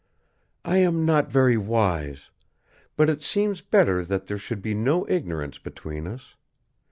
"I am not very wise. But it seems better that there should be no ignorance between us.